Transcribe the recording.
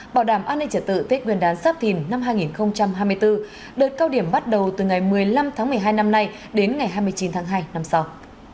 bảo đảm an ninh trả tự tết nguyên đán sắp thìn năm hai nghìn hai mươi bốn đợt cao điểm bắt đầu từ ngày một mươi năm tháng một mươi hai năm nay đến ngày hai mươi chín tháng hai năm sau